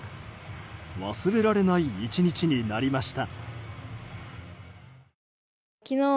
忘れられない１日になりました。